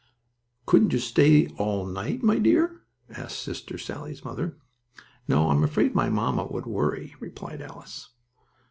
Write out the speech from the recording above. "Couldn't you stay all night, my dear?" asked Sister Sallie's mother. "No, I'm afraid my mamma would worry," replied Alice.